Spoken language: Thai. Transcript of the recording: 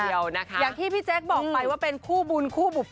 อย่างที่พี่แจ๊คบอกไปว่าเป็นคู่บุญคู่บุค